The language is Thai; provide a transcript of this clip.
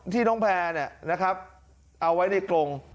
ที่น้องแพรร์นะครับเอาไว้ในกลง